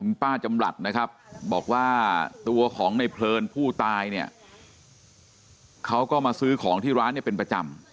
คุณป้าจำหลัดนะครับบอกว่าตัวของในเพลินผู้ตายเนี่ยเขาก็มาซื้อของที่ร้านเนี่ยเป็นประจำ